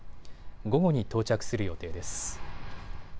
午後に到着する予定です。